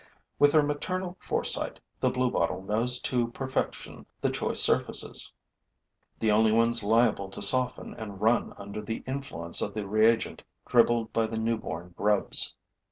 With her maternal foresight, the bluebottle knows to perfection the choice surfaces, the only ones liable to soften and run under the influence of the reagent dribbled by the newborn grubs.